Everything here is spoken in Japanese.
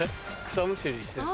草むしりしてる。